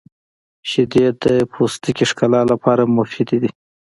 • شیدې د پوټکي ښکلا لپاره مفیدې دي.